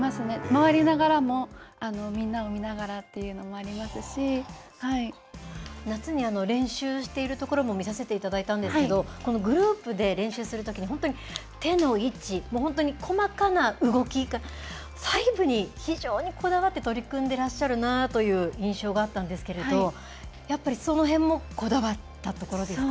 回りながらも、みんなを見ながら夏に練習しているところも見させていただいたんですけれども、このグループで練習するときに、本当に手の位置、もう本当に細かな動き、細部に非常にこだわって取り組んでらっしゃるなという印象があったんですけれど、やっぱりそのへんもこだわったところですか。